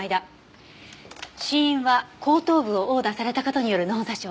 死因は後頭部を殴打された事による脳挫傷。